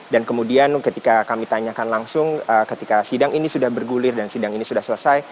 dan kemudian ketika kami tanyakan langsung ketika sidang ini sudah bergulir dan sidang ini sudah selesai